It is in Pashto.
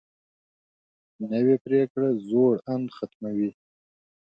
نوې پریکړه زوړ اند ختموي